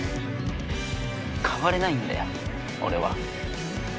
変われないんだよ俺は。